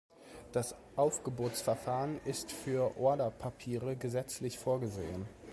Das Aufgebotsverfahren ist für Orderpapiere gesetzlich vorgesehen.